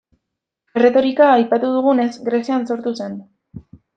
Erretorika, aipatu dugunez, Grezian sortu zen.